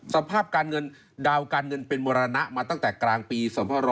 สภาพการเงินดาวการเงินเป็นมรณะมาตั้งแต่กลางปี๒๕๖๐